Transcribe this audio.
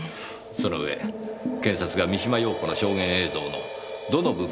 その上検察が三島陽子の証言映像のどの部分を抜いてしまったのか